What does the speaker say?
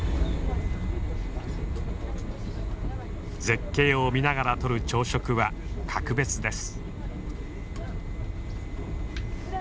絶景を見ながらとる朝食は格別です。